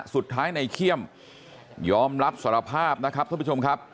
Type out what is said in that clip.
สุดท้ายในเขี้ยมยอมรับสารภาพนะครับท่านผู้ชมครับ